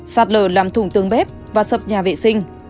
sạt lở làm thủng tường bếp và sập nhà vệ sinh